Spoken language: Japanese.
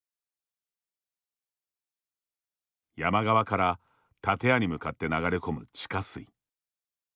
山側から建屋に向かって流れ込む地下水。